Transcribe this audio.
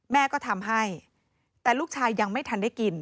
แม่ก็ทำให้แต่ลูกชายยังไม่ทันได้กิน